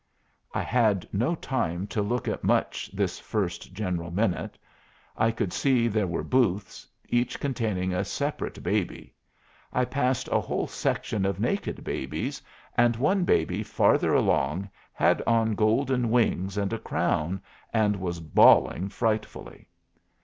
I had no time to look at much this first general minute. I could see there were booths, each containing a separate baby. I passed a whole section of naked babies, and one baby farther along had on golden wings and a crown, and was bawling frightfully.